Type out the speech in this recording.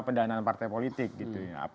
pendanaan partai politik gitu ya